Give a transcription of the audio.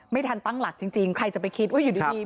ไม่ทันตั้งหลักจริงใครจะไปคิดว่าอยู่ดี